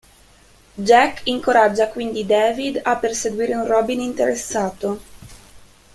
Jack incoraggia quindi David a perseguire un Robin interessato.